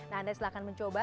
nah anda silakan mencoba